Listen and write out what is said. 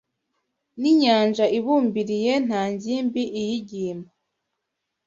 Ni inyanja ibumbiriye Nta ngimbi iyigimba